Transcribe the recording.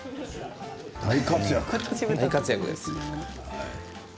大活躍です。